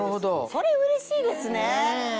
それうれしいですね。